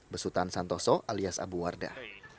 besutan santoso alias abu wardah